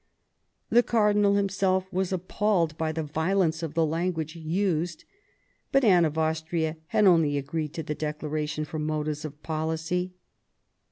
The cardinal himself was appalled by the violence of the language used. But Anne of Austria had only agreed to the declaration from motives of policy.